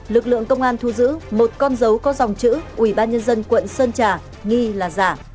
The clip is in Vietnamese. lực lượng công an thu giữ một con dấu có dòng chữ ubnd quận sơn trà nghi là giả